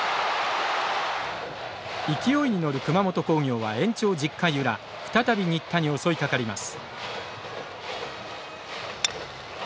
勢いに乗る熊本工業は延長１０回裏再び新田に襲いかかります。